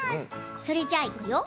それじゃあ、いくよ！